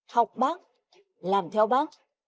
học bác làm theo bác